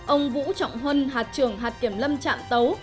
ông vũ trọng huân hạt trưởng hạt kiểm lâm trạm tấu